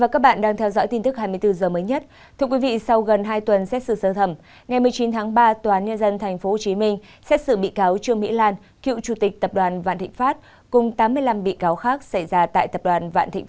cảm ơn các bạn đã theo dõi